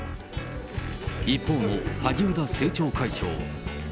一方の萩生田政調会長。